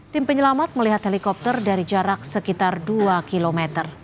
tim penyelamat melihat helikopter dari jarak sekitar dua km